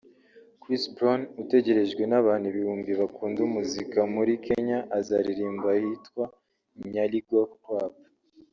Chris Brown utegerejwe n’abantu ibihumbi bakunda umuziki muri Kenya azaririmbira ahitwa Nyali Golf club